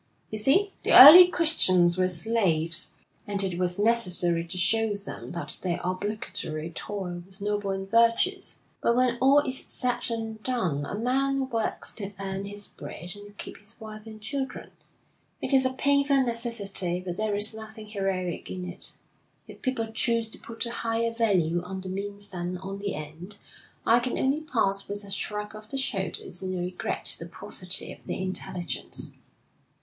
You see, the early Christians were slaves, and it was necessary to show them that their obligatory toil was noble and virtuous. But when all is said and done, a man works to earn his bread and to keep his wife and children; it is a painful necessity, but there is nothing heroic in it. If people choose to put a higher value on the means than on the end, I can only pass with a shrug of the shoulders, and regret the paucity of their intelligence.'